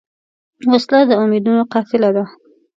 وسله د امیدونو قاتله ده